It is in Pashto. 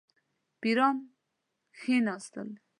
پیران کښېنستل.